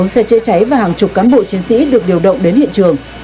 bốn xe chữa cháy và hàng chục cán bộ chiến sĩ được điều động đến hiện trường